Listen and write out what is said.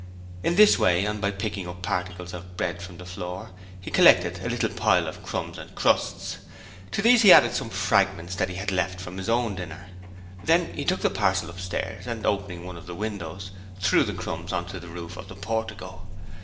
In this way and by picking up particles of bread from the floor, he collected a little pile of crumbs and crusts. To these he added some fragments that he had left from his own dinner. He then took the parcel upstairs and opening one of the windows threw the crumbs on to the roof of the portico.